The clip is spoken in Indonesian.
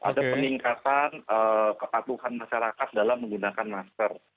ada peningkatan kepatuhan masyarakat dalam menggunakan masker